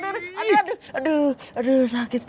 aduh aduh aduh aduh sakit aja